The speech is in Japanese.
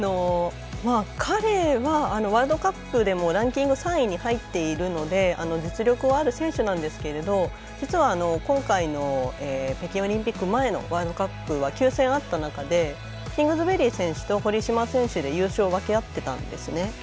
彼は、ワールドカップでもランキング３位に入っているので実力はある選手なんですが実は、今回の北京オリンピック前のワールドカップは９戦あった中でキングズベリー選手と堀島選手で優勝を分け合っていたんですね。